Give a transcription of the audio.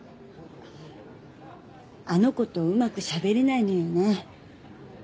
あの子とうまくしゃべれないのよね